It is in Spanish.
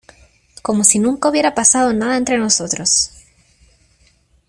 como si nunca hubiera pasado nada entre nosotros.